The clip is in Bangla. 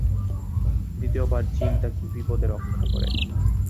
দ্বিতীয়বার জিন তাকে বিপদে রক্ষা করে।